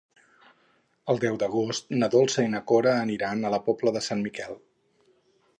El deu d'agost na Dolça i na Cora aniran a la Pobla de Sant Miquel.